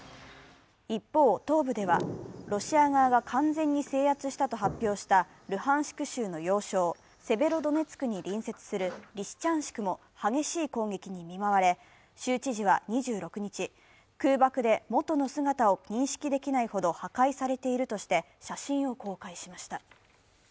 一方、東部ではロシア側が完全に制圧したと発表したルハンシク州の要衝、セベロドネツクに隣接するリシチャンシクも激しい攻撃に見舞われ、州知事は２６日、空爆で元の姿を認識できないほど破壊されているとして写真を公開しました。